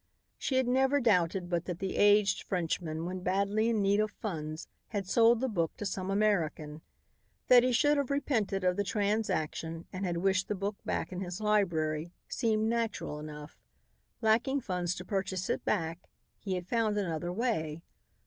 She had never doubted but that the aged Frenchman when badly in need of funds had sold the book to some American. That he should have repented of the transaction and had wished the book back in his library, seemed natural enough. Lacking funds to purchase it back, he had found another way.